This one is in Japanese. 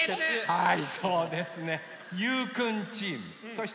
はい！